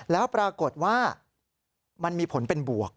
แล้วปรากฏว่ามันมีผลเป็นบวก